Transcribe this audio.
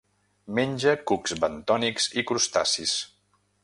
Menja cucs bentònics i crustacis.